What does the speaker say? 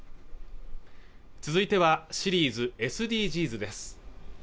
続いてはシリーズ「ＳＤＧｓ」です